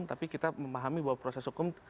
tapi kita memahami bahwa proses hukum